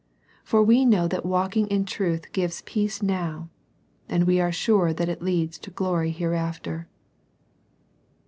For we know that walk ing in truth gives peace now, and we are sure that it leads to glory heteafter.